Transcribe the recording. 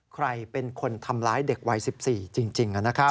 ใครเป็นคนทำร้ายเด็กวัย๑๔จริง